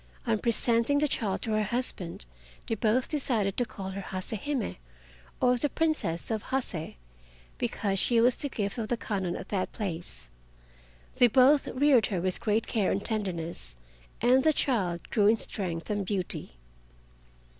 On presenting the child to her husband, they both decided to call her Hase Hime, or the Princess of Hase, because she was the gift of the Kwannon at that place. They both reared her with great care and tenderness, and the child grew in strength and beauty.